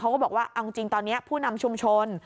ก็บอกว่าเอาจริงตอนนี้ผู้นำชุมชน